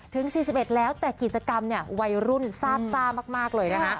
ถึง๔๑แล้วแต่กิจกรรมไว้รุ่นซาบมากเลยนะฮะ